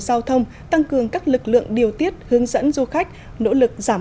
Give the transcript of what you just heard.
giao thông tăng cường các lực lượng điều tiết hướng dẫn du khách nỗ lực giảm